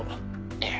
いえ。